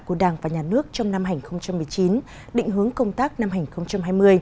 của đảng và nhà nước trong năm hai nghìn một mươi chín định hướng công tác năm hai nghìn hai mươi